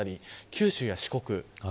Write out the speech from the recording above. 九州や四国